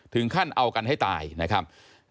ถึงขั้นเอากันให้ตายนะครับ